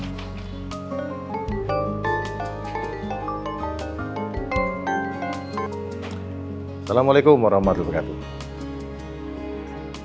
assalamualaikum warahmatullahi wabarakatuh